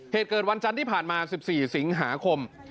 เหตุเกิดวันจันทร์ที่ผ่านมา๑๔สิงหาคม